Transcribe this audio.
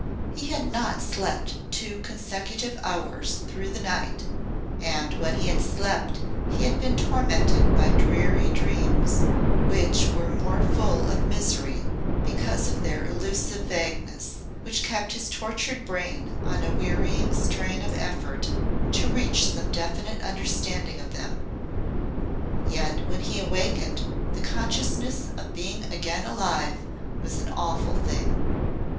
He had not slept two consecutive hours through the night, and when he had slept he had been tormented by dreary dreams, which were more full of misery because of their elusive vagueness, which kept his tortured brain on a wearying strain of effort to reach some definite understanding of them. Yet when he awakened the consciousness of being again alive was an awful thing.